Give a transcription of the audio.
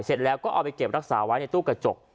เสร็จแล้วก็เอาไปเก็บรักษาไว้ในตู้กระจก